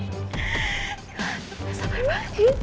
gak sabar banget